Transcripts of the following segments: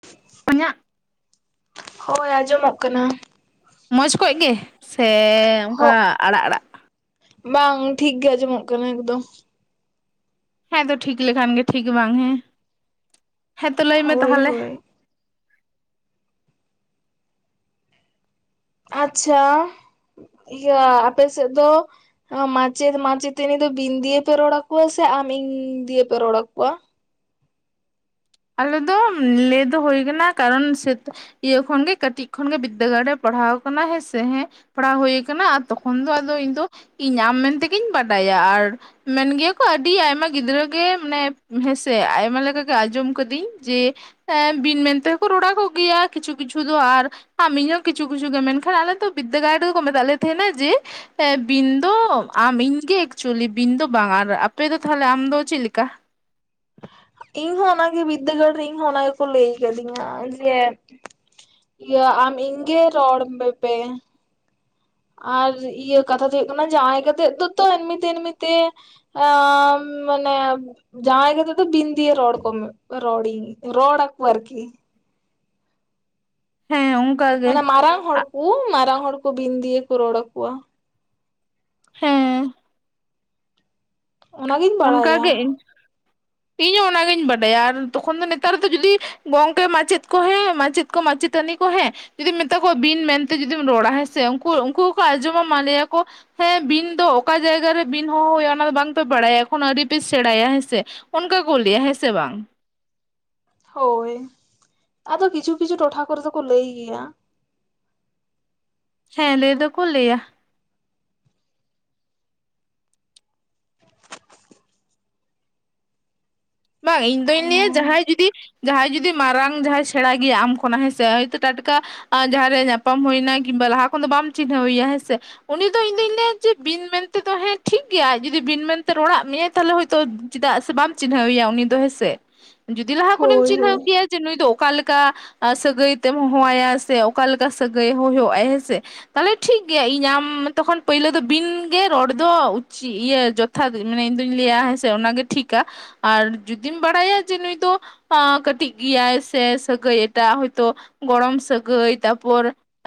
[unintelligible] ᱚᱲᱟᱜ ᱦᱳᱭ ᱟᱸᱡᱚᱢᱚᱜ ᱠᱟᱱᱟ᱾ ᱢᱚᱡᱽ ᱠᱚᱡ ᱜᱮ ᱥᱮ ᱚᱱᱠᱟ ᱦᱚᱸ ᱟᱲᱟᱜ ᱟᱲᱟᱜ? ᱵᱟᱝ ᱴᱷᱤᱠ ᱜᱮ ᱟᱸᱡᱚᱢᱚᱜ ᱠᱟᱱᱟ ᱮᱠᱫᱚᱢ᱾ ᱦᱮᱸᱛᱚ ᱴᱷᱤᱠ ᱞᱮ ᱠᱷᱟᱱ ᱜᱮ ᱴᱷᱤᱠ ᱵᱟᱝ ᱦᱮᱸ ᱦᱮᱸᱛᱚ ᱞᱟᱹᱭ ᱢᱮ ᱦᱳᱭ ᱛᱟᱦᱚᱞᱮ? ᱦᱳᱭ ᱟᱪᱷᱟ ᱤᱭᱟᱹ ᱟᱯᱮ ᱥᱮᱫ ᱫᱚ ᱢᱟᱪᱮᱫ ᱢᱟᱪᱮᱛᱟᱹᱱᱤ ᱫᱚ ᱵᱤᱱ ᱫᱤᱭᱮ ᱯᱮ ᱨᱚᱲᱟ ᱟᱠᱚᱣᱟ ᱥᱮ ᱟᱢ ᱤᱧ ᱫᱤᱭᱮ ᱯᱮ ᱨᱚᱲᱟᱚᱣᱟ? ᱟᱞᱮ ᱫᱚ ᱞᱟᱹᱭ ᱫᱚ ᱦᱩᱭ ᱟᱠᱟᱱᱟ ᱠᱟᱨᱚᱱ ᱥᱮᱼᱼ ᱤᱭᱟᱹ ᱠᱷᱚᱱ ᱜᱮ ᱠᱟᱹᱴᱤᱡ ᱠᱷᱚᱱ ᱜᱮ ᱵᱤᱫᱽᱫᱟᱹ ᱜᱟᱲ ᱨᱮ ᱯᱟᱲᱦᱟᱣ ᱟᱠᱟᱱᱟ ᱦᱮᱸ ᱥᱮ ᱦᱮᱸ᱾ ᱯᱟᱲᱦᱟᱣ ᱦᱩᱭᱩ ᱟᱠᱟᱱᱟ ᱛᱚᱠᱷᱚᱱ ᱫᱚ, ᱤᱧ ᱫᱚ ᱤᱧ ᱟᱢ ᱢᱮᱱ ᱛᱮᱜᱤᱧ ᱵᱟᱰᱟᱭᱟ ᱟᱨ ᱢᱮᱱ ᱜᱮᱭᱟ ᱠᱚ ᱟᱹᱰᱤ ᱟᱭᱢᱟ ᱜᱤᱫᱽᱨᱟᱹ ᱜᱮ ᱢᱟᱱᱮ ᱦᱮᱸᱥᱮ ᱟᱭᱢᱟ ᱞᱮᱠᱟᱜᱮ ᱟᱸᱡᱚᱢ ᱠᱟᱹᱫᱟᱹᱧ ᱡᱮ ᱮᱸ ᱵᱤᱱ ᱢᱮᱱᱛᱮ ᱦᱚᱸᱠᱚ ᱨᱚᱲ ᱟᱠᱚ ᱜᱮᱭᱟ ᱠᱤᱪᱷᱩ ᱠᱤᱪᱷᱩ ᱫᱚ ᱟᱨ᱾ ᱟᱢ ᱤᱧ ᱦᱚᱸ ᱠᱤᱪᱷᱩ ᱠᱤᱪᱷᱩ ᱜᱮ ᱢᱮᱱᱠᱷᱟᱱ ᱟᱞᱮ ᱫᱚ ᱵᱤᱫᱽᱫᱟᱹᱜᱟᱲ ᱨᱮ ᱫᱚᱠᱚ ᱢᱮᱛᱟᱜ ᱞᱮ ᱛᱟᱦᱮᱱᱟ ᱡᱮ᱾ ᱦᱮᱸ ᱵᱤᱱ ᱫᱚ ᱟᱢ ᱤᱧᱜᱮ ᱮᱠᱪᱩᱭᱮᱞᱤ ᱵᱤᱱ ᱫᱚ ᱵᱟᱝ ᱟᱨ ᱟᱯᱮ ᱫᱚ ᱛᱟᱦᱞᱮ ᱟᱢ ᱫᱚ ᱪᱮᱜ ᱞᱮᱠᱟ᱾ ᱤᱧ ᱦᱚᱸ ᱚᱱᱟᱜᱮ ᱵᱤᱫᱽᱫᱟᱹᱜᱟᱲ ᱨᱮ ᱤᱧ ᱦᱚᱸ ᱚᱱᱟ ᱜᱮᱠᱚ ᱞᱟᱹᱭ ᱠᱟᱫᱤᱧᱟ ᱡᱮ᱾ ᱤᱭᱟᱹ ᱟᱢ ᱤᱧᱜᱮ ᱨᱚᱲ ᱢᱮᱯᱮ᱾ ᱟᱨ ᱤᱭᱟᱹ ᱠᱟᱛᱷᱟ ᱫᱚ ᱦᱩᱭᱩᱜ ᱠᱟᱱᱟ ᱡᱟᱸᱣᱟᱭ ᱠᱟᱛᱮᱜ ᱫᱚᱛᱚ ᱮᱢᱱᱤᱛᱮᱢᱱᱤ ᱛᱮ᱾ ᱟᱻᱢ ᱢᱟᱱᱮ᱾ ᱡᱟᱸᱣᱟᱭ ᱠᱟᱛᱮ ᱫᱚ ᱵᱤᱱ ᱫᱤᱭᱟᱹ ᱨᱚᱲ ᱠᱚᱢᱮ ᱨᱚᱲᱤᱧ ᱨᱚᱲ ᱟᱠᱚ ᱟᱨᱠᱤ᱾ ᱦᱮᱸ ᱚ ᱢᱟᱱᱮ ᱢᱟᱨᱟᱝ ᱦᱚᱲ ᱠᱩ ᱢᱟᱨᱟᱝ ᱦᱚᱲ ᱠᱚ ᱵᱤᱱ ᱫᱤᱭᱟᱹ ᱠᱚ ᱨᱚᱲ ᱟᱠᱚᱣᱟ᱾ ᱦᱮᱸ ᱚᱱᱟᱜᱤᱧ ᱵᱟᱲᱟᱭᱟ ᱚᱱᱠᱟᱜᱮ ᱤ ᱤᱧᱦᱚᱸ ᱚᱱᱟᱜᱤᱧ ᱵᱟᱰᱟᱭᱟ ᱟᱨ ᱛᱚᱠᱷᱚᱱ ᱫᱚ ᱱᱮᱛᱟᱨ ᱫᱚ ᱡᱩᱫᱤ ᱜᱚᱝᱠᱮ ᱢᱟᱪᱮᱫ ᱠᱚ ᱦᱮᱸ ᱢᱟᱪᱮᱫ᱾ ᱠᱚ ᱢᱟᱪᱮᱛᱟᱱᱤ ᱠᱚ ᱦᱮᱸ᱾ ᱡᱩᱫᱤᱢ ᱢᱮᱛᱟ ᱠᱚᱣᱟ ᱵᱤᱱ ᱢᱮᱱᱛᱮ ᱡᱩᱫᱤᱢ ᱨᱚᱲᱟ ᱦᱮᱸᱥᱮ ᱩᱱᱠᱩ ᱩᱱᱠᱩ ᱦᱚᱸᱠᱚ ᱟᱸᱡᱚᱢᱟᱢᱟ ᱞᱟᱹᱭᱟᱹ ᱠᱚ᱾ ᱦᱮᱸ ᱵᱤᱱ ᱫᱚ ᱚᱠᱟ ᱡᱟᱭᱜᱟ ᱨᱮ ᱵᱤᱱ ᱦᱚᱦᱚ ᱦᱳᱭᱳᱜᱼᱟ ᱚᱱᱟ ᱫᱚ ᱵᱟᱝᱯᱮ ᱵᱟᱲᱟᱭᱟ᱾ ᱱᱚ ᱟᱹᱣᱨᱤ ᱯᱮ ᱥᱮᱸᱬᱟᱭᱟ ᱦᱮᱸ ᱥᱮ ᱚᱱᱠᱟ ᱠᱚ ᱞᱟᱹᱭᱟ ᱦᱮᱸ ᱥᱮ ᱵᱟᱝ᱾ ᱦᱳᱭ ᱟᱫᱚ ᱠᱤᱪᱷᱩ ᱠᱤᱪᱷᱩ ᱴᱚᱴᱷᱟ ᱠᱚᱨᱮ ᱫᱚᱠᱚ ᱞᱟᱹᱭ ᱜᱮᱭᱟ᱾ ᱦᱮᱸ ᱞᱟᱹᱭ ᱫᱚᱠᱚ ᱞᱟᱹᱭᱟ᱾ ᱵᱟᱝ ᱤᱧ ᱫᱚᱧ ᱞᱟᱹᱭᱟ ᱡᱟᱦᱟᱸᱭ ᱡᱩᱫᱤ ᱡᱟᱦᱟᱸᱭ ᱡᱩᱫᱤ ᱢᱟᱨᱟᱝ ᱡᱟᱦᱟᱸᱭ ᱥᱮᱬᱟ ᱜᱮᱭᱟᱭ ᱟᱢ ᱠᱷᱚᱱᱟᱜ ᱦᱮᱸᱥᱮ ᱦᱚᱭᱛᱚ ᱴᱟᱴᱠᱟ ᱟ ᱡᱟᱦᱟᱸᱨᱮ ᱧᱟᱯᱟᱢ ᱦᱩᱭᱱᱟ ᱠᱤᱝᱵᱟ ᱞᱟᱦᱟ ᱠᱷᱚᱱᱫᱚ ᱫᱚ ᱵᱟᱝ ᱪᱤᱱᱦᱟᱹᱣᱮᱭᱟ ᱦᱮᱸᱥᱮ᱾ ᱩᱱᱤ ᱫᱚ ᱤᱧᱫᱚᱧ ᱞᱟᱹᱭᱟ ᱡᱮ ᱵᱤᱱ ᱢᱮᱱᱛᱮ ᱫᱚ ᱦᱮᱸ ᱴᱷᱤᱠ ᱜᱮᱭᱟᱭ ᱡᱩᱫᱤ ᱵᱤᱱ ᱢᱮᱱᱛᱮ ᱨᱚᱲᱟᱜ ᱢᱮᱭᱟ ᱛᱟᱞᱮ ᱦᱚᱭᱛᱚ ᱪᱮᱫᱟᱜ ᱥᱮ ᱵᱟᱢ ᱪᱤᱱᱦᱟᱹᱣᱮᱭᱟ ᱩᱱᱤ ᱫᱚ ᱦᱮᱸᱥᱮ, ᱡᱩᱫᱤ ᱞᱟᱦᱟ ᱠᱷᱚᱱᱮᱢ ᱦᱳᱭ ᱪᱤᱱᱦᱟᱹᱣ ᱦᱳᱭ ᱠᱮᱭᱟ ᱡᱮ ᱱᱩᱭ ᱫᱚ ᱚᱠᱟᱞᱮᱠᱟ ᱥᱟᱹᱜᱟᱹᱭ ᱛᱮᱢ ᱦᱚᱦᱚ ᱣᱟᱭᱟ ᱥᱮ ᱚᱠᱟᱮᱠᱟ ᱥᱟᱹᱜᱟᱹᱭ ᱦᱩᱭᱩᱜ ᱦᱩᱭᱩᱜᱟᱭ ᱦᱮᱸ ᱥᱮ᱾ ᱛᱟᱦᱞᱮ ᱴᱷᱤᱠᱜᱮᱭᱟ ᱤᱧ ᱟᱢ ᱛᱚᱠᱷᱚᱱ ᱯᱟᱹᱭᱞᱟᱹ ᱫᱚ ᱵᱤᱱ ᱜᱮ ᱨᱚᱲ ᱫᱚ ᱩᱪᱤᱛ ᱤᱭᱟᱹ ᱡᱚ ᱛᱷᱟᱛ ᱢᱟᱱᱮ ᱤᱧ ᱫᱚᱧ ᱞᱟᱹᱭᱟ ᱦᱮᱸᱥᱮ ᱚᱱᱟᱜᱮ ᱴᱷᱤᱠᱟ ᱟᱨ ᱡᱩᱫᱤᱢ ᱵᱟᱲᱟᱭᱟ ᱡᱮ ᱱᱩᱭ ᱫᱚ ᱚᱸ ᱠᱟᱹᱴᱤᱡ ᱜᱮᱭᱟᱭ ᱥᱮ ᱥᱟᱹᱜᱟᱹᱭ ᱮᱴᱟᱜ ᱦᱚᱭᱛᱚ ᱜᱚᱲᱚᱢ ᱥᱟᱹᱜᱟᱹᱭ ᱛᱟᱯᱚᱨ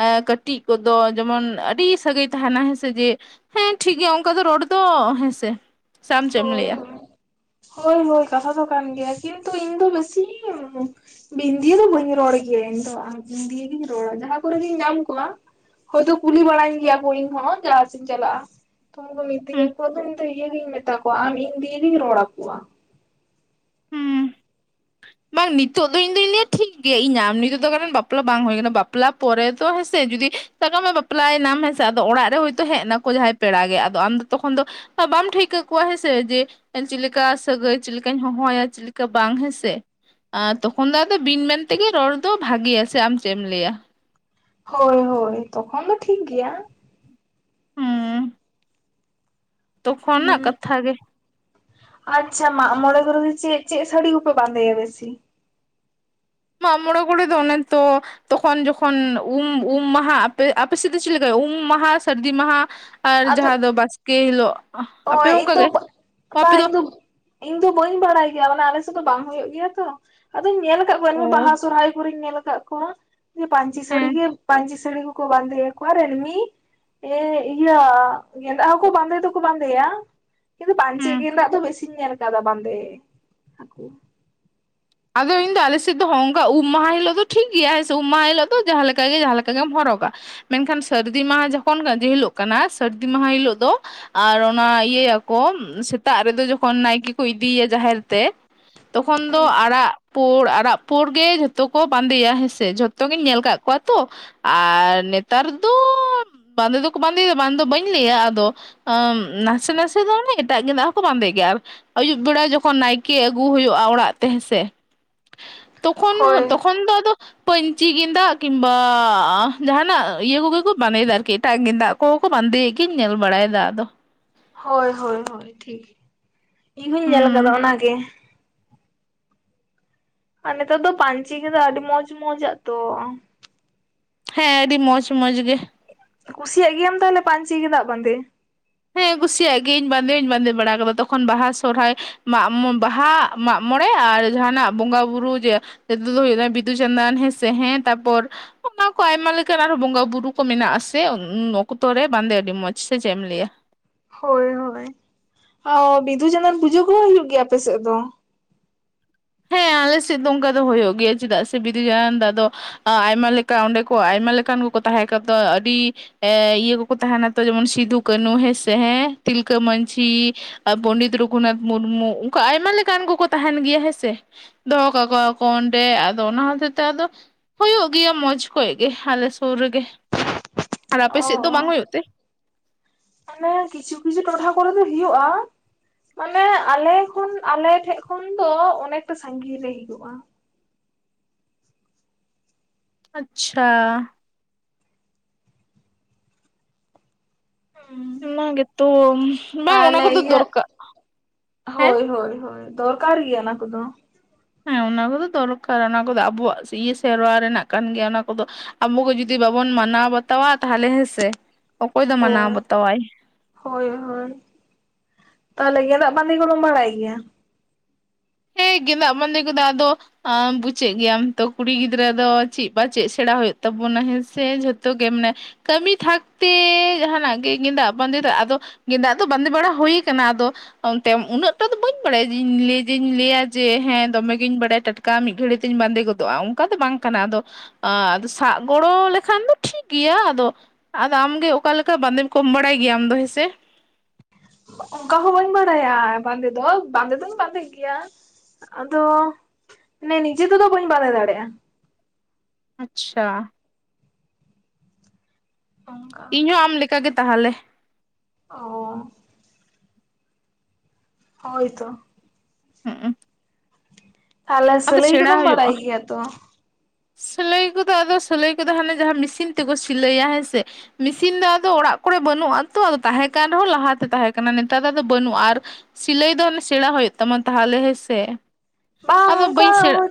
ᱮᱸ ᱠᱟᱹᱴᱤᱡ ᱠᱚᱫᱚ ᱡᱮᱢᱚᱱ ᱟᱹᱰᱤ ᱥᱟᱹᱜᱟᱹᱭ ᱛᱟᱦᱮᱱᱟ ᱦᱮᱸᱥᱮ ᱡᱮ ᱦᱮᱸ ᱴᱷᱤᱠ ᱜᱮᱭᱟ ᱚᱝᱠᱟ ᱫᱚ ᱨᱚᱲ ᱫᱚ ᱦᱮᱸᱥᱮ ᱥᱮ ᱟᱢ ᱪᱮᱫ ᱮᱢ ᱦᱳᱭ ᱞᱟᱹᱭᱟ ᱦᱳᱭ᱾ ᱦᱳᱭ ᱦᱳᱭ ᱠᱟᱛᱷᱟ ᱫᱚ ᱠᱟᱱ ᱜᱮᱭᱟ ᱠᱤᱱᱛᱩ ᱤᱧ ᱫᱚ ᱵᱮᱥᱤ ᱵᱤᱱ ᱫᱤᱭ ᱫᱚ ᱵᱟᱹᱧ ᱨᱚᱲ ᱜᱮᱭᱟ ᱤᱧ ᱫᱚ ᱟᱢ ᱫᱤᱭᱮ ᱜᱤᱧ ᱨᱚᱲᱟ ᱡᱟᱸᱦᱟ ᱠᱚᱨᱮᱜᱤᱧ ᱧᱟᱢ ᱠᱚᱣᱟ ᱦᱳᱭᱛᱳ ᱠᱩᱞᱤ ᱵᱟᱲᱟᱧ ᱜᱮᱭᱟ ᱠᱚ ᱤᱧ ᱦᱚᱸ ᱡᱟᱸᱜᱟ ᱥᱮᱜ ᱤᱧ ᱪᱟᱞᱟᱜᱼᱟ ᱛᱚ ᱩᱱᱠᱩ ᱢᱤᱛᱟᱹᱧᱟ ᱦᱩᱸ ᱠᱚ ᱟᱫᱚ ᱤᱧ ᱫᱚ ᱤᱭᱟᱹᱜᱤᱧ ᱢᱮᱛᱟ ᱠᱚᱣᱟ ᱟᱢ ᱤᱧ ᱫᱤᱭᱮ ᱜᱤᱧ ᱨᱚᱲ ᱟᱠᱚᱣᱟ᱾ ᱦᱚᱸ ᱵᱟᱝ ᱱᱤᱛᱚᱜ ᱫᱚ ᱤᱧ ᱫᱚᱧ ᱞᱟᱹᱭᱟ ᱴᱷᱤᱠ ᱜᱮᱭᱟ ᱤᱧ ᱟᱢ ᱱᱤᱛᱚᱜ ᱫᱚ ᱠᱟᱨᱚᱱ ᱵᱟᱯᱞᱟ ᱵᱟᱝ ᱦᱩᱭ ᱠᱟᱱᱟ, ᱵᱟᱯᱞᱟ ᱯᱚᱨᱮ ᱫᱚ ᱦᱮᱸᱥᱮ ᱡᱩᱫᱤ ᱥᱟᱠᱟᱢᱮ ᱵᱟᱯᱞᱟᱭᱱᱟᱢ ᱦᱮᱸ ᱥᱮ ᱟᱫᱚ ᱚᱲᱟᱜ ᱦᱳᱭᱛᱳ ᱦᱮᱜ ᱱᱟᱠᱚ ᱡᱟᱦᱟᱸᱭ ᱯᱮᱲᱟ ᱜᱮ ᱟᱫᱚ ᱟᱢ ᱫᱚ ᱛᱚᱠᱷᱚᱱ ᱫᱚ ᱟ ᱵᱟᱢ ᱴᱷᱟᱹᱭᱠᱟᱹ ᱠᱚᱣᱟ ᱦᱮᱸ ᱥᱮ ᱡᱮ ᱮ ᱪᱮᱫ ᱞᱮᱠᱟ ᱥᱟᱹᱜᱟᱹᱭ ᱪᱮᱫ ᱞᱮᱠᱟᱧ ᱦᱚᱦᱚᱣᱟᱭᱟ ᱪᱮᱫ ᱞᱮᱠᱟ ᱵᱟᱝ ᱦᱮᱸᱥᱮ᱾ ᱟᱸ ᱛᱚᱠᱷᱚᱱ ᱫᱚ ᱟᱫᱚ ᱵᱤᱱ ᱢᱮᱱ ᱛᱮᱜᱮ ᱨᱚᱲ ᱫᱚ ᱵᱷᱟᱹᱜᱤᱭᱟ ᱥᱮ ᱟᱢ ᱪᱮᱜ ᱮᱢ ᱞᱟᱹᱭᱟ? ᱦᱳᱭ ᱦᱳᱭ ᱛᱚᱠᱷᱚᱱ ᱫᱚ ᱴᱷᱤᱠ ᱜᱮᱭᱟ᱾ ᱦᱩᱸ ᱛᱚᱠᱷᱚᱱ ᱱᱟᱜ ᱦᱩᱸ ᱠᱟᱛᱷᱟ ᱜᱮ᱾ ᱟᱪᱪᱷᱟ ᱢᱟᱜ ᱢᱚᱬᱮ ᱠᱚᱨᱮ ᱫᱚ ᱪᱮᱜ ᱪᱮᱜ ᱥᱟᱹᱲᱤ ᱠᱚᱯᱮ ᱵᱟᱸᱫᱮᱭᱟ ᱵᱤᱥᱤ? ᱢᱟᱜ ᱢᱚᱲᱮ ᱠᱚᱲᱮ ᱫᱚ ᱚᱱᱮ ᱛᱚ ᱛᱚᱠᱷᱚᱱ ᱡᱚᱠᱷᱚᱱ ᱩᱢ ᱩᱢ ᱢᱟᱦ ᱟᱯᱮ ᱟᱯᱮ ᱥᱮᱫ ᱫᱚ ᱪᱮᱫ ᱞᱮᱠᱟ ᱩᱢ ᱢᱟᱦᱟ ᱥᱟᱹᱨᱫᱤ ᱢᱟᱦᱟ ᱟᱨ ᱡᱟᱦᱟᱸ ᱫᱚ ᱵᱟᱥᱠᱮ ᱦᱮᱞᱚᱜ ᱚᱸ ᱤᱧ ᱫᱚ ᱵᱟ ᱵᱟ ᱤᱧᱫᱚ ᱤᱧ ᱫᱚ ᱵᱟᱹᱧ ᱵᱟᱲᱟᱭ ᱜᱮᱭᱟ ᱢᱟᱱᱮ ᱟᱞᱮ ᱥᱮᱜ ᱫᱚ ᱵᱟᱝ ᱦᱩᱭᱩᱜ ᱜᱮᱭᱟ ᱛᱚ᱾ ᱟᱫᱚᱧ ᱧᱮᱞ ᱠᱟᱜ ᱠᱚᱣᱟ ᱮᱱᱦᱚ ᱵᱟᱦᱟ ᱚ ᱥᱚᱨᱦᱟᱭ ᱠᱚᱨᱮᱧ ᱧᱮᱞ ᱠᱟᱜ ᱠᱚᱣᱟ ᱡᱮ ᱯᱟᱹᱧᱪᱤ ᱥᱟᱹᱲᱤ ᱦᱮᱸ ᱜᱮ ᱯᱟᱹᱧᱪᱤ ᱥᱟᱹᱲᱤ ᱠᱚ ᱵᱟᱸᱫᱮᱭᱟᱠᱚ ᱟᱨ ᱮᱱᱢᱤ ᱮ ᱤᱭᱟᱹ ᱜᱮᱸᱫᱟᱜ ᱦᱚᱠᱚ ᱵᱟᱸᱫᱮ ᱫᱚ ᱠᱩ ᱵᱟᱸᱫᱮᱭᱟ ᱠᱤᱱᱛᱩ ᱯᱟᱧᱪᱤ ᱦᱩᱸ ᱜᱮᱸᱫᱟᱜ ᱫᱚ ᱵᱮᱥᱤᱧ ᱧᱮᱞ ᱠᱟᱫᱟ ᱵᱟᱸᱫᱮ ᱦᱟᱠᱩ ᱟᱫᱚ ᱤᱧ ᱫᱚ ᱟᱞᱮ ᱥᱮᱫ ᱫᱚ ᱦᱚᱸᱝ ᱩᱢ ᱢᱟᱦᱟ ᱦᱤᱞᱳᱜ ᱫᱚ ᱴᱷᱤᱠ ᱜᱮᱭᱟ ᱦᱮᱸᱥᱮ ᱩᱢ ᱢᱟᱦᱟ ᱦᱤᱞᱳᱜ ᱫᱚ ᱡᱟᱦᱟ ᱞᱮᱠᱟ ᱜᱮ ᱡᱟᱦᱟ ᱞᱮᱠᱟ ᱜᱮᱢ ᱦᱚᱨᱚᱜᱟ᱾ ᱢᱮᱱᱠᱷᱟᱱ ᱥᱟᱹᱨᱫᱤ ᱢᱟᱦᱟᱸ ᱡᱚᱠᱷᱚᱱ ᱡᱮᱦᱤᱞᱳᱜ ᱠᱟᱱᱟ ᱥᱟᱹᱨᱫᱤ ᱢᱟᱦᱟ ᱦᱤᱞᱳᱜ ᱫᱚ ᱟᱨ ᱚᱱᱟ ᱤᱭᱟᱹᱭᱟᱠᱚ ᱥᱮᱛᱟᱜ ᱨᱮᱫᱚ ᱡᱚᱠᱷᱚᱱ ᱱᱟᱭᱠᱮ ᱠᱚ ᱤᱫᱤᱭᱭᱟ ᱡᱟᱦᱮᱨ ᱛᱮ ᱛᱚᱠᱷᱚᱱ ᱫᱚ ᱟᱨ ᱟᱨᱟᱜ ᱯᱩᱬ ᱟᱨᱟᱜ ᱯᱩᱬ ᱜᱮ ᱡᱷᱚᱛᱚ ᱠᱚ ᱵᱟᱸᱫᱮᱭᱟ ᱦᱮᱸᱥᱮ ᱡᱷᱚᱛᱚᱜᱤᱧ ᱧᱮᱞ ᱠᱟᱜ ᱠᱚᱣᱟ ᱛᱚ᱾ ᱟᱨ ᱱᱮᱛᱟᱨ ᱫᱚ ᱵᱟᱸᱫᱮ ᱫᱚᱠᱚ ᱵᱟᱸᱫᱮᱭᱫᱟ ᱵᱟᱝ ᱫᱚ ᱵᱟᱹᱧ ᱞᱟᱹᱭᱟ ᱟᱫᱚ ᱟᱸ ᱱᱟᱥᱮ ᱱᱟᱥᱮ ᱫᱚ ᱚᱱᱮ ᱮᱴᱟᱜ ᱜᱮᱸᱫᱟᱜ ᱦᱚᱸᱠᱚ ᱵᱟᱸᱫᱮ ᱜᱮᱭᱟ, ᱟᱨ ᱟᱹᱭᱩᱵ ᱵᱮᱲᱟ ᱡᱚᱠᱷᱚᱱ ᱱᱟᱭᱠᱮ ᱟᱹᱜᱩ ᱦᱩᱭᱳᱜᱼᱟ ᱚᱲᱟᱜ ᱛᱮ ᱦᱮᱸᱥ ᱛᱮ ᱛᱚᱠᱷᱚᱱ ᱦᱚ ᱦᱳᱭ ᱛᱚᱠᱷᱚᱱ ᱫᱚ ᱟᱫᱚ ᱯᱟᱹᱧᱪᱤ ᱜᱮᱸᱫᱟᱜ ᱠᱤᱢᱵᱟ ᱡᱟᱦᱟᱱᱟᱜ ᱤᱭᱟᱹ ᱠᱚᱜᱮ ᱠᱚ ᱵᱟᱸᱫᱮᱭᱮᱫᱟ ᱟᱨᱠᱤ ᱮᱴᱟᱜ ᱜᱮᱸᱫᱟᱜ ᱠᱚᱠᱚ ᱵᱟᱸᱫᱮᱭᱮ ᱜᱤᱧ ᱧᱮᱞ ᱵᱟᱲᱟᱭᱮᱫᱟ ᱟᱫᱚ᱾ ᱦᱳᱭ ᱦᱳᱭ ᱦᱳᱭ ᱴᱷᱤᱠ ᱤᱧᱦᱩᱧ ᱧᱮᱞ ᱟᱠᱟᱫᱟ ᱦᱩᱸ ᱚᱱᱟᱜᱮ᱾ ᱟᱨ ᱱᱮᱛᱟᱨ ᱫᱚ ᱯᱟᱧᱪᱤ ᱜᱮᱫᱟᱜ ᱟᱹᱰᱤ ᱢᱚᱸᱡᱽ ᱢᱚᱸᱡᱽᱟᱜ ᱛᱚ᱾ ᱦᱮᱸ ᱟᱹᱰᱤ ᱢᱚᱡᱪ ᱢᱚᱡᱪ ᱜᱮ᱾ ᱠᱩᱥᱤᱭᱟᱜ ᱜᱮᱭᱟᱢ ᱛᱟᱦᱞᱮ ᱯᱟᱧᱪᱤ ᱜᱮᱫᱟᱜ ᱵᱟᱸᱫᱮ? ᱦᱮᱸ ᱠᱩᱥᱤᱭᱟᱜ ᱜᱤᱧ ᱵᱟᱸᱫᱮ ᱦᱚᱧ ᱵᱟᱸᱫᱮ ᱵᱟᱲᱟ ᱠᱟᱫᱟ, ᱛᱚᱠᱷᱚᱱ ᱵᱟᱦᱟ ᱥᱚᱦᱨᱟᱭ ᱢᱟᱜ ᱢᱚ ᱵᱟᱦᱟ ᱢᱟᱜᱢᱚᱬᱮ ᱟᱨ ᱡᱟᱦᱟᱱᱟᱜ ᱵᱚᱸᱜᱟ ᱵᱳᱨᱳ ᱡᱮ ᱡᱮᱫ ᱫᱚ ᱦᱩᱭ ᱱᱟ ᱵᱤᱫᱩ ᱪᱟᱸᱫᱟᱱ ᱦᱮᱸᱥᱮ ᱦᱮᱸ ᱛᱟᱨᱯᱚᱨ ᱚᱠᱟ ᱠᱚ ᱟᱭᱢᱟ ᱞᱮᱠᱟᱱ ᱟᱨᱦᱚᱸ ᱵᱚᱸᱜᱟ ᱵᱩᱨᱩ ᱠᱚ ᱢᱮᱱᱟᱜᱼᱟᱥᱮ ᱩᱸᱷ-ᱩᱱ ᱚᱠᱛᱚᱨᱮ ᱵᱟᱸᱫᱮ ᱟᱹᱰᱤ ᱢᱚᱸᱡᱽ ᱥᱮ ᱪᱮᱜ ᱮᱢ ᱞᱟᱹᱭᱟ? ᱦᱳᱭ ᱦᱳᱭ, ᱟᱣ ᱵᱤᱫᱩ ᱪᱟᱸᱫᱟᱱ ᱯᱩᱡᱟᱹ ᱠᱚᱦᱚᱸ ᱦᱩᱭᱩᱜ ᱜᱮᱭᱟ ᱟᱯᱮ ᱥᱮᱜ ᱫᱚ? ᱦᱮᱸ ᱟᱞᱮ ᱥᱮᱫ ᱫᱚ ᱚᱱᱠᱟ ᱫᱚ ᱦᱩᱭᱳᱜ ᱜᱮᱭᱟ ᱪᱮᱫᱟᱜ ᱥᱮ ᱵᱤᱫᱩ ᱡᱟᱸᱫᱟᱱ ᱫᱟ ᱫᱚ ᱟᱫᱚ ᱟᱭᱢᱟ ᱞᱮᱠᱟ ᱚᱸᱰᱮ ᱠᱚ ᱟᱭᱢᱟ ᱞᱮᱠᱟᱱ ᱠᱚᱠᱚ ᱛᱟᱦᱮᱸ ᱠᱟᱫᱚ ᱟᱹᱰᱤ ᱮ ᱤᱭᱟᱹ ᱠᱚᱠᱚ ᱛᱟᱦᱮᱱᱟ ᱛᱚ ᱡᱮᱢᱚᱱ ᱥᱤᱫᱩ ᱠᱟᱹᱱᱩ ᱦᱮᱸᱥᱮ ᱦᱮᱸ, ᱛᱤᱞᱠᱟᱹ ᱢᱟᱺᱡᱷᱤ ᱾ ᱟ ᱯᱚᱱᱰᱤᱛ ᱨᱩᱜᱷᱩᱱᱟᱛᱷ ᱢᱩᱨᱢᱩ ᱚᱝᱠᱟ ᱟᱭᱢᱟ ᱞᱮᱠᱟᱱ ᱠᱚᱠᱚ ᱛᱟᱦᱮᱱ ᱜᱮᱭᱟ ᱦᱮᱸᱼᱥ ᱥᱮᱦ, ᱫᱚᱦᱚ ᱠᱟᱠᱚᱣᱟᱠᱚ ᱚᱸᱰᱮ ᱟᱫᱚ ᱚᱱᱟ ᱦᱚᱛᱮ ᱛᱮ ᱟᱫᱚ ᱦᱳᱭᱳᱜ ᱜᱮᱭᱟ ᱢᱚᱸᱡᱽ ᱠᱷᱚᱡ ᱜᱮ ᱟᱞᱮ ᱥᱳᱨ ᱨᱮᱜᱮ ᱟᱨ ᱟᱯᱮ ᱚ ᱥᱮᱫ ᱫᱚ ᱚ ᱵᱟᱝ ᱦᱳᱭᱳᱜ ᱛᱮ? ᱢᱟᱱᱮ ᱠᱤᱪᱷᱩ ᱠᱤᱪᱷᱩ ᱴᱚᱴᱷᱟ ᱠᱚᱨᱮ ᱫᱚ ᱦᱩᱭᱩᱜᱼᱟ ᱾ ᱢᱟᱱᱮ ᱟᱞᱮ ᱠᱷᱚᱱ ᱟᱞᱮ ᱴᱷᱮᱜ ᱠᱷᱚᱱ ᱫᱚ ᱚᱱᱮᱠᱴᱟ ᱥᱟᱺᱜᱤᱧ ᱨᱮ ᱦᱤᱡᱩᱜᱼᱟ ᱾ ᱟᱪ-ᱪᱷᱟ ᱾ ᱦᱩᱸ ᱚᱱᱟ ᱜᱮᱛᱚᱢ ᱷᱩᱸᱦ, ᱵᱟᱝ ᱚᱱᱟ ᱛᱟᱦᱚᱞᱮ ᱠᱚᱫᱚ ᱤᱭᱟᱹ ᱫᱚᱨᱠᱟ ᱦᱳᱭ ᱦᱳᱭ ᱦᱳᱭ, ᱫᱚᱨᱠᱟᱨ ᱜᱮᱭᱟ ᱚᱱᱟ ᱠᱚᱫᱚ ᱾ ᱦᱮᱸ ᱚᱱᱟ ᱠᱚᱫᱚ ᱫᱚᱨᱠᱟᱨ ᱚᱱᱟ ᱠᱚᱫᱚ ᱟᱵᱚᱣᱟᱜ ᱥᱮ ᱤᱭᱟᱹ ᱥᱮᱨᱣᱟ ᱨᱮᱱᱟᱜ ᱠᱟᱱ ᱜᱮᱭᱟ ᱚᱱᱟ ᱠᱚᱫᱚ ᱾ ᱟᱵᱚ ᱜᱮ ᱡᱩᱫᱤ ᱵᱟᱵᱚᱱ ᱢᱟᱱᱟᱣ ᱵᱟᱛᱟᱣᱟ ᱛᱟᱦᱞᱮ ᱦᱮᱸᱥᱮ ᱚᱠᱚᱭ ᱫᱚ ᱢᱟᱱᱟᱣ ᱦᱳᱭ ᱵᱟᱛᱟᱣᱟᱭ ᱾ ᱦᱳᱭ ᱦᱳᱭ, ᱛᱟᱦᱞᱮ ᱜᱮᱸᱫᱟᱜ ᱵᱟᱸᱫᱮᱹ ᱠᱚᱫᱚᱢ ᱵᱟᱲᱟᱭ ᱜᱮᱭᱟ? ᱮᱸ ᱜᱮᱸᱫᱟᱜ ᱵᱟᱸᱫᱮᱹ ᱠᱚᱫᱚ ᱟᱫᱚ ᱟ ᱵᱩᱪᱮᱜ ᱜᱮᱭᱟᱢ ᱛᱚ ᱠᱩᱲᱤ ᱜᱤᱫᱽᱨᱟᱹ ᱫᱚ ᱪᱮᱜ ᱵᱟ ᱪᱮᱜ ᱥᱮᱲᱟ ᱦᱳᱭᱳᱜ ᱛᱟᱵᱚᱱᱟ ᱦᱮᱸᱥᱮ ᱡᱷᱚᱛᱚ ᱜᱮ ᱢᱟᱱᱮ ᱥᱤᱝ ᱠᱟᱹᱢᱤ ᱛᱷᱟᱠᱛᱮ ᱡᱟᱦᱟᱱᱟᱜ ᱜᱮ ᱜᱮᱸᱫᱟᱜ ᱵᱟᱸᱫᱮᱹ ᱫᱚ ᱟᱫᱚ ᱜᱮᱸᱫᱟᱜ ᱫᱚ ᱵᱟᱸᱫᱮᱹ ᱵᱟᱲᱟ ᱦᱯᱭ ᱠᱟᱱᱟ ᱟᱫᱚ ᱚᱱᱛᱮ ᱩᱱᱟᱹᱜ ᱛᱟᱹ ᱫᱚ ᱵᱟᱹᱧ ᱵᱟᱲᱟᱭᱟ ᱡᱮ ᱤᱧ ᱞᱮᱹᱭ ᱡᱮᱤᱧ ᱞᱟᱹᱭᱟ ᱡᱮ ᱦᱮᱸ ᱫᱚᱢᱮᱜᱤᱧ ᱵᱟᱲᱟᱭᱟ ᱴᱟᱴᱠᱟ ᱢᱤᱫ ᱜᱷᱟᱹᱲᱤ ᱛᱤᱧ ᱵᱟᱸᱫᱮᱹ ᱜᱚᱫᱚᱜᱼᱟ ᱚᱱᱠᱟ ᱫᱚ ᱵᱟᱝ ᱠᱟᱱᱟ ᱟᱫᱚ ᱟ ᱟᱫ ᱥᱟᱜ ᱜᱚᱲᱚ ᱞᱮᱠᱷᱟᱱ ᱫᱚ ᱴᱷᱤᱠ ᱜᱮᱭᱟ ᱟᱫᱚ ᱟᱫᱚ ᱟᱢᱜᱮ ᱚᱠᱟ ᱞᱮᱠᱟ ᱵᱟᱸᱫᱮᱱ ᱠᱚᱢ ᱵᱟᱲᱟᱭ ᱜᱮᱭᱟ ᱟᱢ ᱫᱚ ᱦᱮᱸᱥᱮ? ᱚᱳᱠᱟ ᱦᱚᱸ ᱵᱟᱹᱧ ᱵᱟᱲᱟᱭᱟ ᱵᱟᱸᱫᱮᱹ ᱫᱚ ᱵᱟᱸᱫᱮ, ᱹᱫᱚᱧ ᱵᱟᱸᱫᱮᱹᱜ ᱹᱜᱮᱭᱟ ᱾ ᱟᱫᱚ ᱱᱮ ᱱᱤᱡᱮ ᱛᱮᱫᱚ ᱵᱟᱹᱧ ᱵᱟᱸᱫᱮᱹ ᱫᱟᱲᱮᱭᱟᱜᱼᱟ ᱾ ᱟᱪ-ᱪᱷᱟ ᱾ ᱚᱱᱠᱟ ᱤᱧᱦᱚᱸ ᱟᱢ ᱞᱮᱠᱟ ᱜᱮ ᱛᱟᱦᱞᱮ ᱾ ᱚᱻ ᱾ ᱦᱳᱭ ᱛᱚ ᱾ ᱦᱩᱸᱜ ᱚ ᱾ ᱛᱟᱦᱟᱞᱮ ᱥᱟᱞᱟᱹᱭ ᱠᱚᱫᱚᱢ ᱵᱟᱲᱟᱭ ᱜᱮᱭᱟ ᱛᱚ? ᱥᱞᱟᱹᱭ ᱠᱚᱫᱚ ᱟᱫᱚ ᱥᱟᱞᱟᱹᱭ ᱠᱚᱫᱚ ᱦᱟᱱᱮ ᱡᱟᱦᱟᱸ ᱢᱮᱥᱤᱱ ᱛᱮᱠᱚ ᱥᱤᱞᱟᱹᱭᱟ ᱦᱮᱸ ᱥᱮ। ᱢᱤᱥᱤᱱ ᱫᱟ ᱟᱫᱚ ᱚᱲᱟᱜ ᱠᱚᱨᱮ ᱵᱟᱹᱱᱩᱜᱼᱟ ᱛᱚ᱾ ᱟᱫᱚ ᱛᱟᱦᱮᱸ ᱠᱟᱱ ᱨᱮᱦᱚᱸ ᱞᱟᱦᱟᱛᱮ ᱛᱟᱦᱮᱸ ᱠᱟᱱᱟ ᱱᱮᱛᱟᱨᱟᱜ ᱫᱚ ᱵᱟᱹᱱᱩᱜᱼᱟ᱾ ᱟᱨ ᱼᱼ ᱥᱤᱞᱟᱹᱭ ᱫᱚ ᱚᱱᱮ ᱥᱮᱬᱟ ᱦᱳᱭᱳᱜ ᱛᱟᱢᱟ ᱛᱟᱦᱞᱮ ᱦᱮᱸᱥᱮ, ᱟᱫᱚ ᱵᱟᱹᱧ ᱥᱮᱬᱟᱜ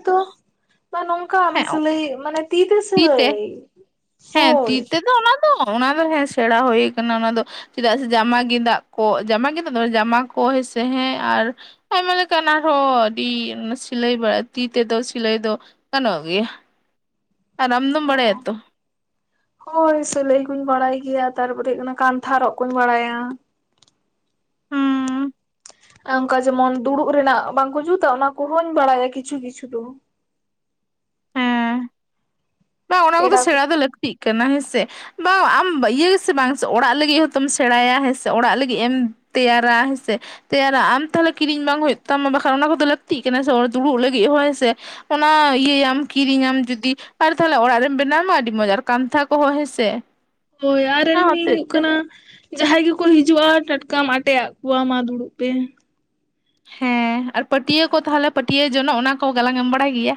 ᱢᱟ ᱱᱚᱝᱠᱟ ᱟᱢ ᱥᱞᱟᱹᱭ ᱢᱟᱱᱮ ᱛᱤ ᱛᱮ ᱥᱟᱞᱟᱹᱭ ᱦᱮᱸ ᱛᱤ ᱛᱮᱫᱚ ᱚᱱᱟ ᱫᱚ ᱚᱱᱟ ᱫᱚ ᱦᱮ ᱥᱮᱬᱟ ᱦᱳᱭ ᱠᱟᱱᱟ ᱚᱱᱟ ᱫᱚ ᱥ-ᱩ-ᱡ ᱪᱮᱫᱟᱜ ᱥᱮ ᱡᱟᱢᱟ ᱜᱮᱸᱫᱟᱜ ᱠᱚ ᱡᱟᱢᱟ ᱜᱮᱫᱟᱜ ᱫᱚ ᱡᱟᱢᱟ ᱠᱚ ᱦᱮᱸᱥᱮ ᱦᱮᱸ ᱟᱨ ᱟᱭᱢᱟ ᱞᱮᱠᱟᱱ ᱟᱨᱦᱚᱸ ᱟᱹᱰᱤ ᱥᱤᱞᱟᱹᱭ ᱵᱟᱲᱟᱭ ᱛᱤ ᱛᱮᱫᱚ ᱥᱤᱞᱟᱹᱭ ᱫᱚ ᱜᱟᱱᱚᱜ ᱜᱮᱭᱟ᱾ ᱟᱨ ᱟᱢ ᱫᱚᱢ ᱵᱟᱲᱟᱭᱟ ᱛᱚ? ᱦᱳᱭ ᱥᱤᱞᱟᱹᱭ ᱠᱩᱧ ᱵᱟᱲᱟᱭ ᱜᱮᱭᱟ᱾ ᱛᱟᱨᱯᱚᱨᱮ ᱦᱩᱭᱩᱜ ᱠᱟᱱᱟ ᱠᱟᱱᱛᱷᱟ ᱨᱚᱜ ᱠᱚᱧ ᱵᱟᱲᱟᱭᱟ᱾ ᱦᱩᱸ ᱚᱝᱠᱟ ᱡᱮᱢᱚᱱ ᱫᱩᱲᱩᱵ ᱨᱮᱱᱟᱜ ᱵᱟᱝᱠᱚ ᱡᱩᱛᱟ, ᱚᱱᱟ ᱠᱚᱦᱚᱧ ᱵᱟᱲᱟᱭᱟ ᱠᱤᱪᱷᱩ ᱠᱤᱪᱷᱩ ᱫᱚ᱾ ᱦᱮᱸ ᱵᱟᱝ ᱚᱱᱟ ᱠᱚᱫᱚ ᱯᱮᱲᱟ ᱠᱚ ᱥᱮᱬᱟ ᱫᱚ ᱞᱟᱹᱠᱛᱤᱜ ᱠᱟᱱᱟ ᱦᱮᱸ ᱥᱮ᱾ ᱵᱟᱝ ᱟᱢ ᱤᱭᱟᱹ ᱜᱮᱥᱮ ᱵᱟᱝ ᱥᱮ ᱚᱲᱟᱜ ᱞᱟᱹᱜᱤᱫ ᱦᱚᱸᱛᱚᱢ ᱥᱮᱬᱟᱭᱟ ᱦᱮᱸ ᱥᱮ, ᱚᱲᱟᱜ ᱞᱟᱹᱜᱤᱫ ᱮᱢ ᱛᱮᱭᱟᱨᱟ ᱦᱮᱸ ᱥᱮ᱾ ᱛᱮᱭᱟᱨᱟ ᱟᱢ ᱛᱟᱦᱞᱮ ᱠᱤᱨᱤᱧ ᱵᱟᱝ ᱦᱩᱭᱩᱜ ᱛᱟᱢᱟ ᱵᱟᱠᱷᱟ ᱚᱱᱟ ᱠᱚᱫᱚ ᱞᱟᱹᱠᱛᱤᱜ ᱠᱟᱱᱟ ᱥᱮ ᱫᱩᱲᱩᱜ ᱞᱟᱹᱜᱤᱫ ᱦᱚᱸ ᱦᱚᱸᱥᱮ᱾ ᱚᱱᱟ ᱤᱭᱟᱹᱭᱟᱢ ᱠᱤᱨᱤᱧᱟᱢ ᱡᱩᱫᱤ ᱟᱨ ᱛᱟᱦᱞᱮ ᱚᱲᱟᱜ ᱨᱮᱢ ᱵᱮᱱᱟᱣ ᱢᱟ ᱟᱹᱰᱤ ᱢᱚᱸᱡᱽ ᱟᱨ ᱠᱟᱱᱛᱷᱟ ᱠᱚᱦᱚᱸ ᱦᱮᱸ ᱥᱮ᱾ ᱦᱳᱭ ᱟᱨ ᱮᱢᱱᱤ ᱦᱩᱭᱩᱜ ᱠᱟᱱᱟ ᱡᱟᱦᱟᱸᱭ ᱜᱮᱠᱚ ᱦᱤᱡᱩᱜᱼᱟ ᱴᱟᱴᱠᱟᱢ ᱟᱴᱮ ᱟᱜ ᱠᱚᱣᱟ ᱢᱟ ᱫᱩᱲᱩᱵ ᱯᱮ᱾ ᱦᱮᱸ, ᱟᱨ ᱯᱟᱹᱴᱭᱟᱹ ᱠᱚ ᱛᱟᱦᱚᱞᱮ ᱯᱟᱹᱴᱭᱟᱹ ᱡᱚᱱᱚᱜ ᱚᱱᱟ ᱠᱚ ᱜᱟᱞᱟᱝ ᱮᱢ ᱵᱟᱲᱟᱭ ᱜᱮᱭᱟ?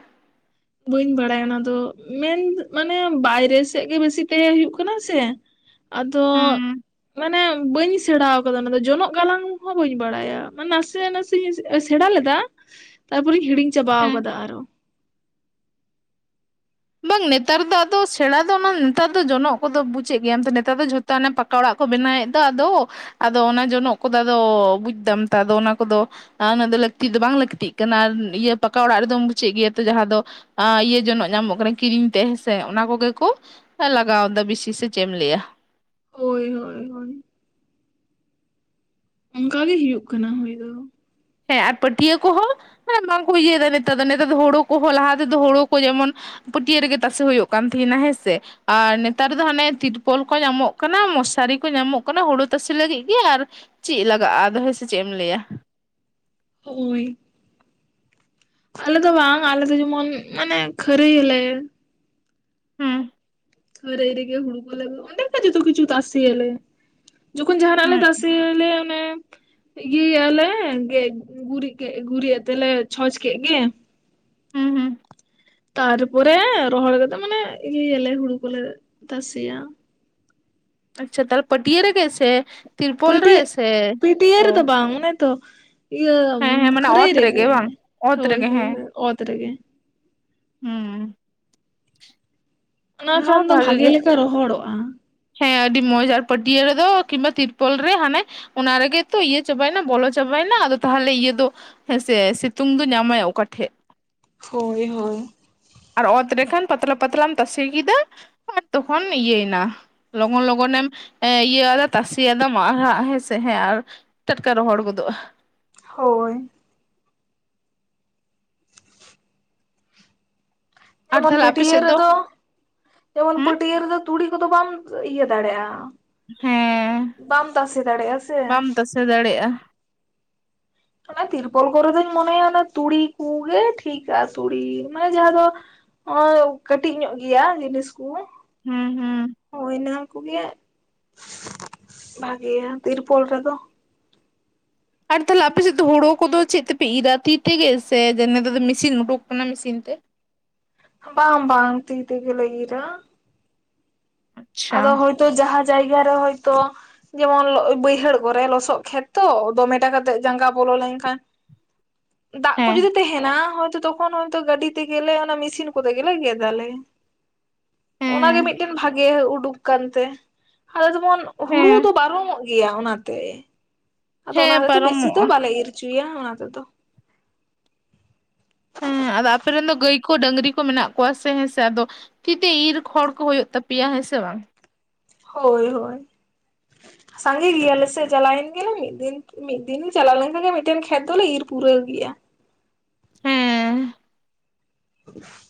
ᱵᱟᱹᱧ ᱵᱟᱲᱟᱭᱟ ᱚᱱᱟ ᱫᱚ, ᱢᱮᱱ ᱢᱟᱱᱮ ᱵᱟᱭᱨᱮ ᱥᱮᱫ ᱜᱮ ᱵᱮᱥᱤ ᱛᱮᱦᱮᱸ ᱦᱩᱭᱩᱜ ᱠᱟᱱᱟ ᱥᱮ᱾ ᱟᱫᱚ ᱦᱩᱸ ᱢᱟᱱᱮ ᱵᱟᱹᱧ ᱥᱮᱬᱟᱣ ᱠᱟᱫᱟ ᱚᱱᱟ ᱫᱚ ᱡᱚᱱᱚᱜ ᱜᱟᱞᱟᱝ ᱦᱚᱸ ᱵᱟᱹᱧ ᱵᱟᱲᱟᱭᱟ, ᱱᱟᱥᱮ ᱱᱟᱥ ᱥᱮ-ᱥᱮ ᱥᱮᱬᱟ ᱞᱮᱫᱟ ᱛᱟᱨᱯᱚᱨᱮᱧ ᱦᱤᱲᱤᱧ ᱪᱟᱵᱟᱣ ᱦᱮᱸ ᱠᱟᱫᱟ ᱟᱨᱚ᱾ ᱵᱟᱝ ᱱᱮᱛᱟᱨ ᱫᱚ ᱟᱫᱚ ᱥᱮᱬᱟ ᱫᱚ ᱱᱟᱝ ᱱᱮᱛᱟᱨ ᱫᱚ ᱡᱚᱱᱚᱜ ᱠᱚᱫᱚ ᱵᱩᱡᱮᱜ ᱜᱮᱭᱟᱢ ᱛᱚ ᱱᱮᱛᱟᱨ ᱫᱚ ᱡᱷᱚᱛ [unintelligible] ᱛᱚ ᱚᱱᱮ ᱯᱟᱠᱟ ᱚᱲᱟᱜ ᱠᱚ ᱵᱮᱱᱟᱣᱮᱫ ᱫᱚ ᱟᱫᱚ᱾ ᱟᱫᱚ ᱚᱱᱟ ᱡᱚᱱᱚᱜ ᱠᱚᱫᱚ ᱟᱫᱚ ᱵᱩᱡᱽ ᱫᱟᱢ ᱛᱚ ᱟᱫᱚ ᱚᱱᱟ ᱠᱚᱫᱚ ᱟ ᱩᱱᱟᱹᱜ ᱫᱚ ᱞᱟᱹᱠᱛᱤ ᱫᱚ ᱵᱟᱝ ᱞᱟᱹᱠᱛᱤᱜ ᱠᱟᱱᱟ, ᱤᱭᱟᱹ ᱯᱟᱠᱟ ᱚᱲᱟᱜ ᱨᱮᱫᱚᱢ ᱵᱩᱡᱮᱜ ᱜᱮᱭᱟ ᱛᱚ ᱡᱟᱦᱟᱸ ᱫᱚ ᱟ ᱤᱭᱟᱹ ᱡᱚᱱᱚᱜ ᱧᱟᱢᱚᱜ [inaudible] ᱠᱤᱨᱤᱧ ᱛᱮ ᱦᱮᱸᱥᱮ ᱚᱱᱟ ᱠᱚᱜᱮ ᱠᱚ ᱮ ᱞᱟᱜᱟᱣᱫᱟ ᱵᱤᱥᱤ ᱥᱮ ᱪᱮᱜ ᱮᱢ ᱞᱟᱹᱭᱟ? ᱦᱳᱭ ᱦᱳᱭ ᱦᱳᱭ᱾ ᱚᱝᱠᱟᱜᱮ ᱦᱩᱭᱩᱜ ᱠᱟᱱᱟ ᱦᱩᱭ ᱫᱚ᱾ ᱦᱮᱸ ᱟᱨ ᱯᱟᱹᱴᱭᱟᱹ ᱠᱚᱦᱚᱸ ᱢᱮ ᱵᱟᱝᱠᱚ ᱤᱭᱟᱹᱭᱮᱫᱟ ᱱᱮᱛᱟᱨ ᱫᱚ ᱱᱮᱛᱟᱨ ᱫᱚ ᱦᱳᱲᱳ ᱠᱚᱦᱚᱸ ᱞᱟᱦᱟ ᱛᱮᱫᱚ ᱦᱩᱲᱩ ᱠᱚ ᱡᱮᱢᱚᱱ ᱯᱟᱹᱴᱭᱟᱹ ᱨᱮᱜᱮ ᱛᱟᱥᱮ ᱦᱩᱭᱩᱜ ᱠᱟᱱ ᱛᱟᱦᱮᱱᱟ ᱦᱮᱸ ᱥᱮ᱾ ᱟᱨ ᱱᱮᱛᱟᱨ ᱫᱚ ᱦᱟᱱᱮ ᱛᱤᱨᱯᱚᱞ ᱠᱚ ᱧᱟᱢᱚᱜ ᱠᱟᱱᱟ, ᱢᱚᱥᱟᱨᱤ ᱠᱚ ᱧᱟᱢᱚᱜ ᱠᱟᱱᱟ, ᱦᱩᱲᱩ ᱛᱟᱥᱮ ᱞᱟᱹᱜᱤᱜ ᱜᱮ ᱟᱨ ᱪᱮᱜ ᱞᱟᱜᱟᱜᱼᱟ ᱟᱫᱚ ᱦᱮᱸᱥᱮ ᱪᱮᱜ ᱮᱢ ᱞᱟᱹᱭᱟ? ᱦᱳᱭ᱾ ᱟᱞᱮ ᱫᱚ ᱵᱟᱝ ᱟᱞᱮ ᱫᱚ ᱡᱮᱢᱚᱱ ᱢᱟᱱᱮ ᱠᱷᱟᱹᱨᱟᱹᱭᱟᱞᱮ᱾ ᱦᱩᱸ ᱠᱷᱟᱹᱨᱟᱹᱭ ᱨᱮᱜᱮ ᱦᱩᱲᱩ ᱠᱚ ᱞᱮ ᱚᱸᱰᱮ ᱜᱮ ᱡᱷᱚᱛᱚ ᱠᱤᱪᱷᱩ ᱛᱟᱥᱮᱭᱟᱞᱮ᱾ ᱡᱚᱠᱷᱚᱱ ᱡᱟᱦᱱᱟᱜ ᱞᱮ ᱦᱩᱸ ᱛᱟᱥᱮᱭᱟᱞᱮ ᱚᱱᱮ ᱤᱭᱟᱹᱭᱟᱞᱮ ᱜᱮᱡ ᱜᱩᱨᱤᱜ ᱠᱮᱜ ᱜᱩᱨᱤᱜ ᱟᱛᱮ ᱞᱮ ᱪᱷᱚᱸᱪ ᱠᱮᱜ ᱜᱮ᱾ ᱦᱩᱸ ᱦᱩᱸ ᱛᱟᱨᱯᱚᱨᱮ ᱨᱚᱦᱚᱲ ᱠᱟᱛᱮᱜ ᱢᱟᱱᱮ ᱤᱭᱟᱹᱭᱟᱞᱮ ᱦᱩᱲᱩ ᱠᱚᱞᱮ ᱛᱟᱥᱮᱭᱟ᱾ ᱟᱪᱪᱷᱟ ᱛᱟᱦᱞᱮ ᱯᱟᱹᱴᱭᱟᱹ ᱨᱮ ᱜᱮ ᱥᱮ? ᱛᱤᱨᱯᱚᱞ ᱯᱟᱹᱴᱭᱟᱹ ᱯᱤᱴᱭᱟᱹ ᱚ ᱨᱮᱫᱚ ᱵᱟᱝ, ᱚᱱᱮ ᱛᱚ ᱤᱭᱟᱹ ᱩᱸ ᱦᱮᱸ ᱦᱮᱸ ᱢᱟᱱᱮ ᱠᱷᱟᱹᱨᱟᱹᱭ ᱚᱛ ᱨᱮᱜᱮ ᱵᱟᱝ ᱚᱛ ᱦᱳᱭ ᱨᱮᱜᱮ ᱦᱳᱭ ᱦᱮᱸ ᱦᱳᱭ ᱚᱛ ᱨᱮᱜᱮ᱾ ᱦᱩᱸ ᱚᱱᱟ ᱠᱷᱟᱱ ᱫᱚ ᱵᱷᱟᱜᱮ ᱞᱮᱠᱟ ᱨᱚᱦᱚᱲᱚᱜᱼᱟ᱾ ᱦᱮᱸ ᱟᱹᱰᱤ ᱢᱚᱸᱡᱽ ᱟᱨ ᱯᱟᱹᱴᱭᱟᱹ ᱨᱮᱫᱚ ᱠᱤᱢᱵᱟ ᱛᱤᱨᱯᱚᱞ ᱨᱮ ᱦᱟᱱᱮ ᱚᱱᱟ ᱨᱮᱜᱮ ᱛᱚ ᱤᱭᱟᱹ ᱪᱟᱵᱟᱭᱱᱟ ᱵᱚᱞᱚ ᱪᱟᱵᱟᱭᱱᱟ ᱟᱫᱚ ᱛᱟᱦᱚᱞᱮ ᱤᱭᱟᱹ ᱫᱚ ᱦᱮᱸᱥᱮ ᱥᱤᱛᱩᱝ ᱫᱚ ᱧᱟᱢᱟᱭ ᱚᱠᱟᱴᱷᱮᱜ? ᱦᱳᱭ ᱦᱳᱭ᱾ ᱟᱨ ᱚᱛ ᱨᱮᱠᱷᱟᱱ ᱯᱟᱛᱞᱟ ᱯᱟᱛᱞᱟᱢ ᱛᱟᱥᱮ ᱠᱮᱫᱟ ᱟᱨ ᱛᱚᱠᱷᱚᱱ ᱤᱭᱟᱹᱭᱮᱱᱟ ᱞᱚᱜᱚᱱ ᱞᱚᱜᱚᱱᱮᱢ ᱮᱸ ᱤᱭᱟᱹ ᱟᱫᱟ ᱛᱟᱥᱮ ᱟᱫᱟᱢ ᱟᱨᱦᱟᱸᱜ ᱦᱮᱸᱥᱮ ᱦᱮᱸ ᱟᱨ ᱴᱟᱴᱠᱟ ᱦᱚᱦᱚᱲ ᱜᱚᱫᱚᱜᱼᱟ᱾ ᱦᱳᱭ᱾ ᱟᱨ ᱡᱮᱢᱚᱱ ᱛᱟᱦᱞᱮ ᱟᱯᱮ ᱯᱟᱹᱴᱭᱟᱹ ᱥᱮᱫ ᱫᱚ ᱨᱮᱫᱚ ᱡᱮᱢᱚᱱ ᱦᱩᱸ ᱯᱟᱹᱴᱭᱟᱹ ᱨᱮᱫᱚ ᱛᱩᱲᱤ ᱠᱚᱫᱚ ᱵᱟᱢ ᱤᱭᱟᱹ ᱫᱟᱲᱮᱜᱼᱟ᱾ ᱦᱮᱸ ᱫᱟᱲᱮᱭᱟᱜᱼᱟ ᱥᱮ ᱵᱟᱢ ᱛᱟᱥᱮ ᱫᱟᱲᱮᱜᱼᱟ᱾ ᱚᱱᱟ ᱛᱤᱨᱯᱚᱞ ᱠᱚᱨᱮ ᱫᱚᱧ ᱢᱚᱱᱮᱭᱟ ᱚᱱᱟ ᱛᱩᱲᱤ ᱠᱚᱜᱮ ᱴᱷᱤᱠᱟ ᱛᱩᱲᱤ ᱢᱟᱱᱮ ᱡᱟᱦᱟᱸ ᱫᱚ ᱦᱚᱸ ᱠᱟᱹᱴᱤᱡ ᱧᱚᱜ ᱜᱮᱭᱟ ᱡᱤᱱᱤᱥ ᱠᱩ᱾ ᱦᱩᱸ ᱦᱩᱸ ᱦᱳᱭ ᱱᱟ ᱠᱚᱜᱮ ᱵᱷᱟᱹᱜᱤᱭᱟ ᱛᱤᱨᱯᱚᱞ ᱨᱮᱫᱚ᱾ ᱟᱨ ᱛᱟᱦᱞᱮ ᱟᱯᱮᱥᱮᱫ ᱫᱚ ᱦᱩᱲᱩ ᱠᱚᱫᱚ ᱪᱮᱫ ᱛᱮᱯᱮ ᱤᱨᱟ ᱛᱤ ᱛᱮᱜᱮ ᱥᱮ ᱡᱮᱱᱮᱛᱟᱨ ᱫᱚ ᱢᱤᱥᱤᱱ ᱩᱰᱩᱠ ᱠᱟᱱᱟ ᱢᱮᱥᱤᱱ ᱛᱮ? ᱵᱟᱝ ᱵᱟᱝ ᱛᱤ ᱛᱮ ᱜᱮᱞᱮ ᱤᱨᱟ᱾ ᱟᱪᱪᱷᱟ ᱟᱫᱚ ᱦᱳᱭᱛᱳ ᱡᱟᱦᱟᱸ ᱡᱟᱭᱜᱟ ᱨᱮ ᱦᱳᱭᱛᱳ᱾ ᱡᱮᱢᱚᱱ ᱵᱟᱹᱭᱦᱟᱹᱲ ᱠᱚᱨᱮ ᱞᱚᱥᱚᱜ ᱠᱷᱮᱛ ᱛᱚ ᱫᱚᱢᱮᱴᱟ ᱠᱟᱛᱮᱜ ᱡᱟᱸᱜᱟ ᱵᱚᱞᱚ ᱞᱮᱱᱠᱷᱟᱱ ᱫᱟᱜ ᱠᱚ ᱦᱮᱸ ᱡᱩᱫᱤ ᱛᱟᱦᱮᱸᱱᱟ ᱦᱚᱭᱛᱚ ᱛᱚ ᱠᱷᱚᱱ ᱦᱚᱸ ᱛᱚ ᱜᱟᱹᱰᱤ ᱛᱮᱜᱮᱞᱮ ᱚᱱᱮ ᱢᱤᱥᱤᱱ ᱠᱚᱛᱮ ᱜᱮᱞᱮ ᱜᱮᱫᱟᱞᱮ ᱚᱱᱟ ᱜᱮ ᱦᱮᱸ ᱢᱤᱫᱴᱮᱱ ᱵᱷᱟᱜ ᱜᱮ ᱩᱰᱩᱠᱟᱱ ᱛᱮ ᱟᱫᱚ ᱡᱮᱢᱚᱱ ᱦᱩᱲᱩ ᱫᱚ ᱦᱮᱸ ᱯᱟᱨᱚᱢᱚᱜ ᱜᱮᱭᱟ ᱚᱱᱟᱛᱮ᱾ ᱟᱫᱚ ᱚᱱᱟ ᱦᱮᱸ ᱛᱮᱫᱚ ᱵᱮᱥᱤ ᱫᱚ ᱯᱟᱨᱚᱢᱚᱜᱼᱟ ᱵᱟᱞᱮ ᱤᱨ ᱚᱪᱚᱭᱟ ᱚᱱᱟ ᱛᱮᱫᱚ᱾ ᱦᱮᱸ ᱟᱫᱚ ᱟᱯᱮ ᱨᱮᱱ ᱫᱚ ᱜᱟᱹᱭ ᱠᱚ ᱰᱟᱹᱝᱨᱤ ᱠᱚ ᱢᱮᱱᱟᱜ ᱠᱚᱣᱟ ᱥᱮ ᱦᱮᱸ ᱥᱮ ᱟᱫᱚ ᱛᱤᱛᱮ ᱤᱨ ᱠᱷᱚᱲ ᱠᱚ ᱦᱩᱭᱩᱜ ᱛᱟᱯᱮᱭᱟ ᱦᱮᱸ ᱥᱮ ᱵᱟᱝ? ᱦᱳᱭ ᱦᱳᱭ ᱥᱟᱸᱜᱮ ᱜᱮᱭᱟᱞᱮ ᱥᱮ ᱪᱟᱞᱟᱣᱮᱱ ᱜᱮᱞᱮ ᱢᱤᱫ ᱫᱤᱱ ᱢᱤᱫ ᱫᱤᱱ ᱪᱟᱞᱟᱣ ᱞᱮᱱᱠᱷᱟᱱ ᱜᱮ ᱢᱤᱫᱴᱮᱱ ᱠᱷᱮᱛ ᱫᱚᱞᱮ ᱤᱨ ᱯᱩᱨᱟᱹᱣ ᱜᱮᱭᱟ᱾ ᱦᱮᱸ [inaudible]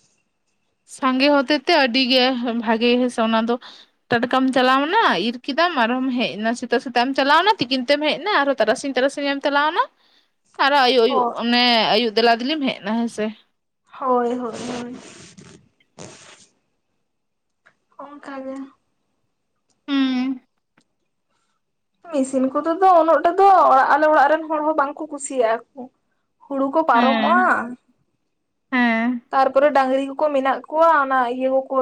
ᱥᱟᱸᱜᱮ ᱦᱚᱛᱮ ᱛᱮ ᱟᱹᱰᱤ ᱜᱮ ᱵᱷᱟᱜᱮ ᱦᱮᱸ ᱥᱮ ᱚᱱᱟ ᱫᱚ᱾ ᱴᱟᱴᱠᱟᱢ ᱪᱟᱞᱟᱣᱱᱟ ᱤᱨ ᱠᱮᱫᱟᱢ ᱟᱨᱦᱚᱸᱢ ᱦᱮᱡᱱᱟ ᱥᱮᱛᱟᱜ ᱥᱮᱛᱟᱜ ᱮᱢ ᱪᱟᱞᱟᱣᱱᱟ ᱛᱤᱠᱤᱱ ᱛᱮᱢ ᱦᱮᱡᱱᱟ ᱟᱨ ᱛᱟᱨᱟᱥᱤᱧ ᱛᱟᱨᱟᱥᱤᱧᱮᱢ ᱞᱟᱣᱱᱟ [inaudible] ᱟᱨᱦᱚ ᱟᱭᱩᱵ ᱟᱭᱩᱵ ᱦᱳᱭ ᱚᱱᱮ ᱟᱭᱩᱵ ᱫᱮᱞᱟ ᱫᱮᱞᱤᱢ ᱦᱮᱡᱱᱟ ᱦᱮᱸᱥᱮ᱾ ᱦᱳᱭ ᱦᱳᱭ ᱦᱳᱭ᱾ ᱚᱝᱠᱟ ᱜᱮ᱾ ᱦᱩᱸ ᱢᱤᱥᱤᱱ ᱠᱚᱫᱚ ᱫᱚ ᱩᱱᱟᱹᱜᱴᱟᱜ ᱫᱚ ᱟᱞᱮ ᱚᱲᱟᱜ ᱨᱮᱱ ᱦᱚᱲ ᱦᱚᱸ ᱵᱟᱝᱠᱚ ᱠᱩᱥᱤᱭᱟᱜᱼᱟ ᱠᱩ᱾ ᱦᱩᱲᱩ ᱠᱚ ᱦᱮᱸ ᱯᱟᱨᱚᱢᱚᱜᱼᱟ ᱦᱮᱸ ᱛᱟᱨᱯᱚᱨᱮ ᱰᱟᱹᱝᱨᱤ ᱠᱚᱠᱚ ᱢᱮᱱᱟᱜ ᱠᱚᱣᱟ ᱚᱱᱟ ᱤᱭᱟᱹ ᱠᱚᱠᱚ